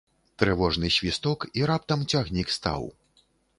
Трывожны свісток, і раптам цягнік стаў.